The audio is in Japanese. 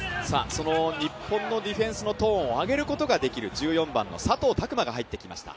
その日本のディフェンスのトーンを上げることができる１４番の佐藤卓磨が入ってきました。